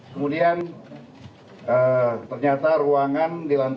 kemudian ternyata ruangan di lantai enam belas